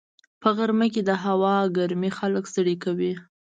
په غرمه کې د هوا ګرمي خلک ستړي کوي